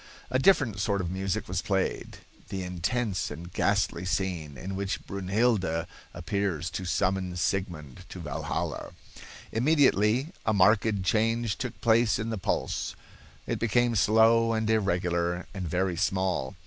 A different sort of music was played (the intense and ghastly scene in which Brunhilde appears to summon Sigmund to Valhalla). Immediately a marked change took place in the pulse. It became slow and irregular, and very small.